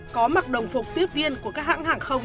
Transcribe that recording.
có mặc đồng phục tiếp viên của các hãng hàng không